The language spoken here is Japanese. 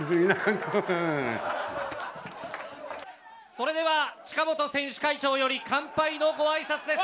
それでは近本選手会長より乾杯のあいさつです。